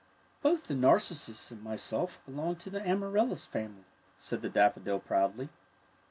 "Both the narcissus and myself belong to the amaryllis family," said the daffodil, proudly.